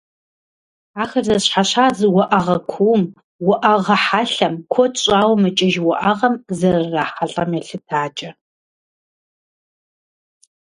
Ахэр зэщхьэщадз уӏэгъэ кууум, уӏэгъэ хьэлъэм, куэд щӏауэ мыкӏыж уӏэгъэм зэрырахьэлӏэм елъытакӏэ.